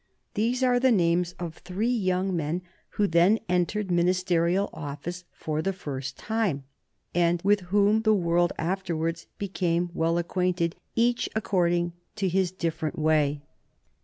These are the names of three young men who then entered ministerial office for the first time, and with whom the world afterwards became well acquainted, each according to his different way.